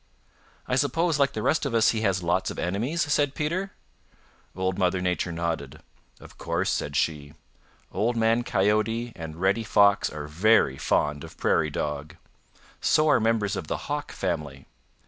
"I suppose, like the rest of us, he has lots of enemies?" said Peter. Old Mother Nature nodded. "Of course," said she. "Old Man Coyote and Reddy Fox are very fond of Prairie Dog. So are members of the Hawk family.